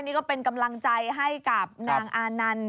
ดำลังใจให้กับนางอานันท์